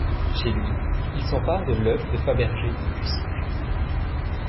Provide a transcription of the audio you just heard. Chez lui, ils s'emparent de l'œuf de Fabergé, puis s'enfuient.